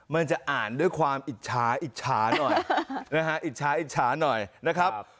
มันจะอ่านด้วยความอิจฉาอิจฉาหน่อยนะฮะอิจฉาอิจฉาหน่อยนะครับ